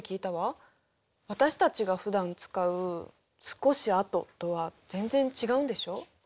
私たちがふだん使う「少しあと」とは全然違うんでしょう。